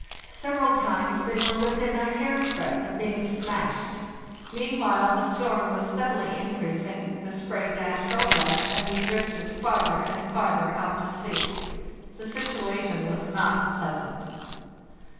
Several times they were within a hair's breadth of being smashed. Meanwhile the storm was steadily increasing, the spray dashed over us, and we drifted farther and farther out to sea. The situation was not pleasant.